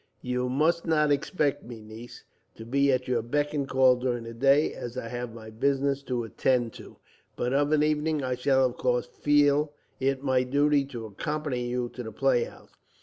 "You must not expect me, Niece, to be at your beck and call during the day, as I have my business to attend to; but of an evening I shall, of course, feel it my duty to accompany you to the playhouse.